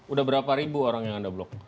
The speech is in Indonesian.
udah berapa ribu orang yang anda blok